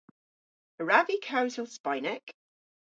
A wrav vy kewsel Spaynek?